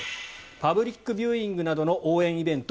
パブリックビューイングなどの応援イベント